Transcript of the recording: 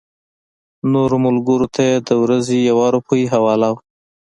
نورو ملګرو ته یې د ورځې یوه روپۍ حواله وه.